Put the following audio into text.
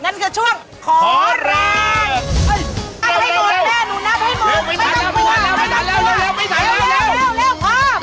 นั่นคือช่วงขอแรง